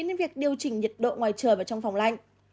đến việc điều chỉnh nhiệt độ ngoài trời và trong phòng lạnh